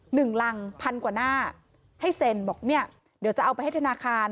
หนึ่งรังพันกว่าหน้าให้เซ็นบอกเนี่ยเดี๋ยวจะเอาไปให้ธนาคาร